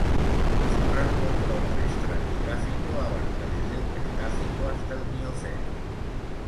Su rango cronoestratigráfico abarca desde el Cretácico hasta el Mioceno.